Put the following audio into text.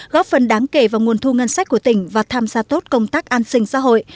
góp phần đáng kể vào nguồn thu ngân sách của tỉnh và tham gia tốt công tác an sinh xã hội